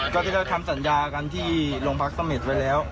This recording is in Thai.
ก็ทั้งเดียวกันทำศักดิ์การบอบที่ลงพักสมศไว้แล้ว